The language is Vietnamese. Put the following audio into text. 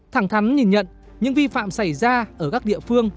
thẳng thắn nhìn nhận những vi phạm xảy ra ở các địa phương